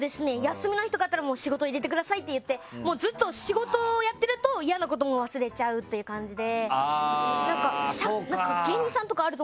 休みの日だったら仕事入れてくださいって言ってずっと仕事やってると嫌なこと忘れちゃうって感じで。